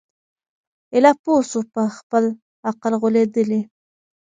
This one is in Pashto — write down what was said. ایله پوه سو په خپل عقل غولیدلی